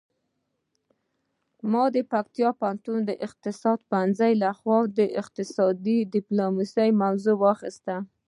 ما د پکتیا پوهنتون د اقتصاد پوهنځي لخوا اقتصادي ډیپلوماسي موضوع واخیسته